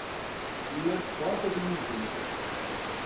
Llant bɣant ad inigent.